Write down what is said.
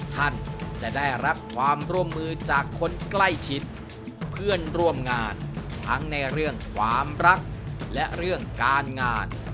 ท่านจะได้รับความร่วมมือจากคนใกล้ชิดเพื่อนร่วมงานทั้งในเรื่องความรักและเรื่องการงาน